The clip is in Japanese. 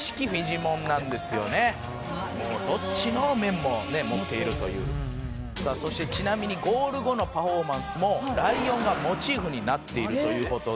「どっちの面も持っているという」さあそしてちなみにゴール後のパフォーマンスもライオンがモチーフになっているという事で。